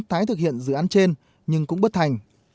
tái thực hiện dự án trên nhưng cũng bất thành